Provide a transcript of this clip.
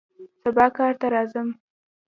سبا کار ته راځم